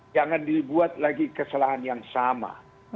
jangan dibuat lagi kesalahan yang sama